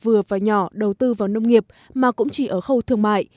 vừa và nhỏ đầu tư vào nông nghiệp mà cũng chỉ ở khâu thương mại